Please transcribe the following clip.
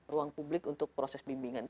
ruang publik untuk proses bimbingan